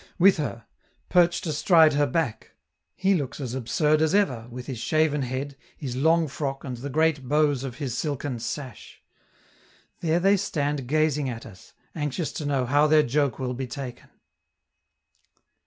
] with her, perched astride her back; he looks as absurd as ever, with his shaven head, his long frock and the great bows of his silken sash. There they stand gazing at us, anxious to know how their joke will be taken.